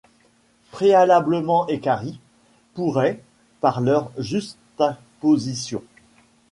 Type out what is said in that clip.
préalablement équarris, pourraient, par leur juxtaposition